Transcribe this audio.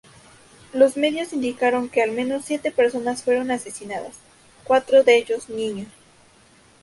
Los medios indicaron que al menos siete personas fueron asesinadas, cuatro de ellos niños.